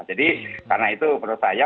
jadi karena itu menurut saya